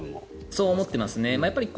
そう思ってますね。